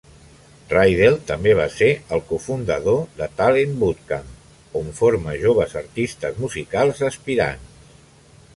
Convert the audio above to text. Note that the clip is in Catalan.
Ridel també va ser el cofundador de Talent Bootcamp, on forma joves artistes musicals aspirants.